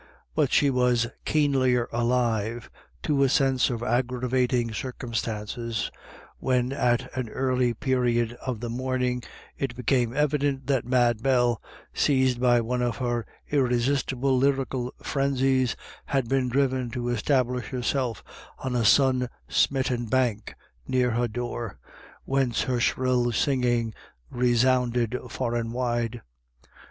But she was keenlier alive to a sense of aggravating circumstances when, at an early period of the morning, it became evident that Mad Bell, seized by one of her irresistible lyrical frenzies, had been driven to establish herself on a sun smitten bank near her door, whence her shrill singing resounded far and wide.